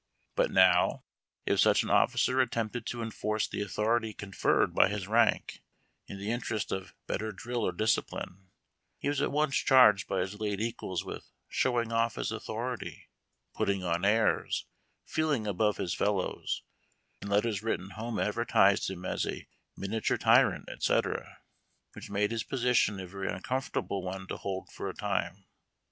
But now, if such 214 UAIU) TACK AND COFFEE. an officer attempted to enforce the authority conferred b}^ his rank, in the interest of better drill or discipline, he was at once charged by his late equals with "showing off his authority,' "putting on airs," "feeling above his fellows" ; and letters written home advertised him as a "miniature tyrant," etc., which made his position a very uncomfortable one to hokl for a time.